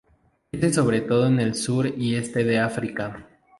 Crece sobre todo en el Sur y Este de África.